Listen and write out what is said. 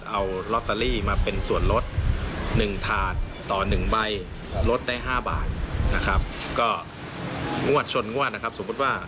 เอาฟังซักหน่อยนะ